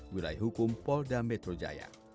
wilayah hukum polda metro jaya